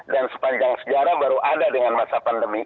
dan sepanjang sejarah baru ada dengan masa pandemi